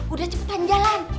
udah cepetan jalan